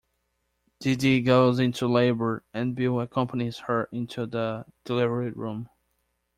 Dedee goes into labor and Bill accompanies her into the delivery room.